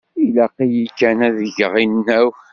Ilaq-iyi kan ad d-geɣ inaw?